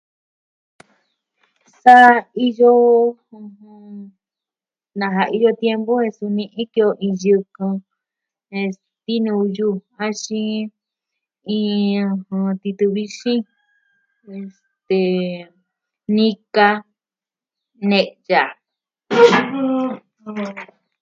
Sa iyo... na iyo tiempu su ni'i ke'en yɨkɨn, es... tinuyu, axin... mm... iin titɨ vixin, este... nika, ne'ya.